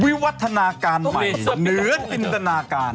วิวัฒนาการใหม่เหนือจินตนาการ